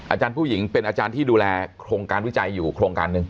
อาจารย์ผู้หญิงเป็นอาจารย์ที่ดูแลโครงการวิจัยอยู่โครงการหนึ่ง